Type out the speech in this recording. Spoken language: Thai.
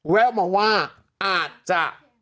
แวะมาว่าอาจจะ